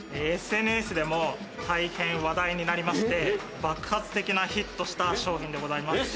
ＳＮＳでも大変話題になりまして、爆発的なヒットをした商品でございます。